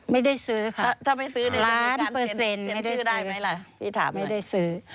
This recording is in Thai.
ไม่ได้ซื้อค่ะล้านเปอร์เซ็นไม่ได้ซื้อ